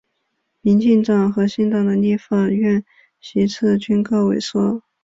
民进党和新党的立法院席次均告萎缩。